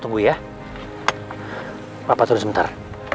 tunggu ya papa tunggu sebentar